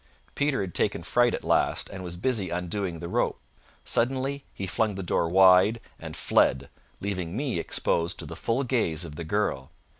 Peter had taken fright at last, and was busy undoing the rope. Suddenly he flung the door wide and fled, leaving me exposed to the full gaze of the girl.